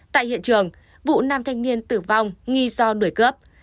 tại hiện trường vụ nam thanh niên tử vong nghi do đuổi cướp